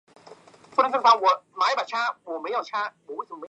它在各种癌症中也升高。